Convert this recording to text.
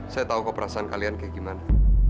saya tahu keperasaan kalian seperti apa